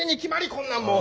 こんなんもう。